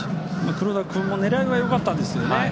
黒田君も狙いはよかったんですがね。